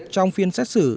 trong phiên xét xử